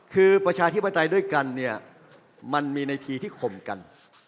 คือประชาธิปไตยด้วยกันเนี่ยมันมีในทีที่ข่มกัน